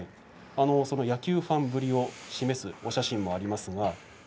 その野球ファンぶりを示すお写真もあります。